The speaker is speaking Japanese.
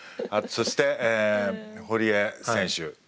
そして堀江選手ねっ。